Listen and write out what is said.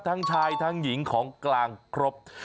ทั้งชายทั้งหญิงของกลางครบ